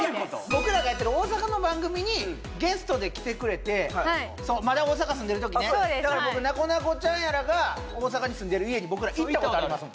僕らがやってる大阪の番組にゲストで来てくれてまだ大阪住んでるときねだから僕なこなこちゃんやらが大阪に住んでる家に僕ら行ったことあります